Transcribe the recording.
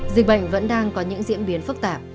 dịch bệnh vẫn đang có những diễn biến phức tạp